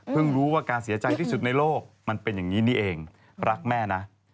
รู้ว่าการเสียใจที่สุดในโลกมันเป็นอย่างนี้นี่เองรักแม่นะ